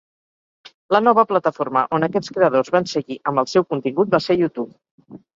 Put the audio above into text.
La nova plataforma on aquests creadors van seguir amb el seu contingut va ser YouTube.